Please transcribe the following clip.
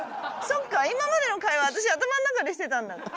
そっか今までの会話私頭の中でしてたんだ。